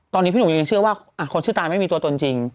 ตอนนี้พี่หนุ่มยังเชื่อว่าคนชื่อตานไม่มีตัวตนจริง